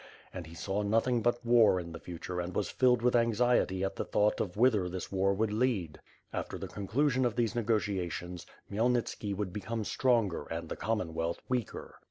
And he saw nothing but war in the future and was filled with anxiety at the thought of whither this war would lead. After the conclusion of these negotiations, Khmyel WITH FIHE AND SWORD, ^^j nitski would become stronger and the Commonwealth weaker.